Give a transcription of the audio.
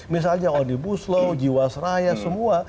misalnya odi busloh jiwasraya semua